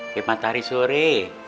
kayak matahari sore